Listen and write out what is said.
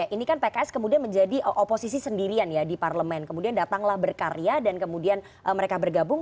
ini kan pks kemudian menjadi oposisi sendirian ya di parlemen kemudian datanglah berkarya dan kemudian mereka bergabung